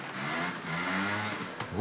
お！